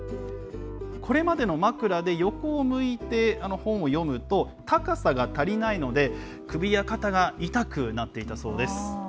これまでの枕で横を向いて本を読むと、高さが足りないので、首や肩が痛くなっていたそうです。